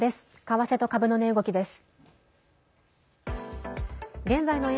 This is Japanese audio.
為替と株の値動きです。